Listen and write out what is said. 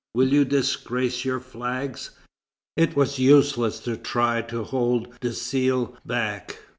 Will you disgrace your flags?" It was useless to try to hold Desilles back.